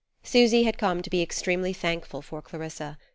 Susy had come to be extremely thankful for Clarissa.